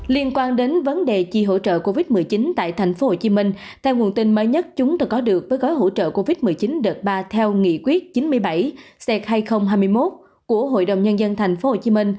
liên quan đến vấn đề chi hỗ trợ covid một mươi chín tại tp hcm theo nguồn tin mới nhất chúng tôi có được với gói hỗ trợ covid một mươi chín đợt ba theo nghị quyết chín mươi bảy c hai nghìn hai mươi một của hội đồng nhân dân tp hcm